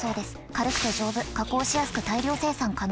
軽くて丈夫加工しやすく大量生産可能。